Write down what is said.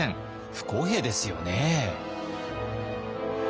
不公平ですよね。